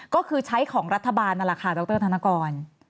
ก็คือใช้ของรัฐบาลนั่นแหละค่ะดรธนกร